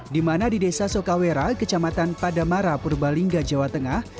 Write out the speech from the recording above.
di mana di desa sokawera kecamatan padamara purbalingga jawa tengah